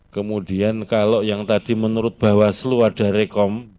kemudian kalau yang tadi menurut bawaslu ada rekom